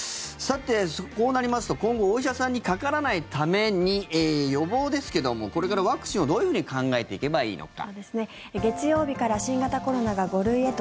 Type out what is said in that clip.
こうなりますと、今後お医者さんにかからないために予防ですけどもこれからワクチンをどういうふうに考えていけばいいのか。